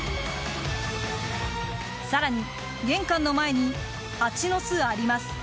更に玄関の前にハチの巣あります。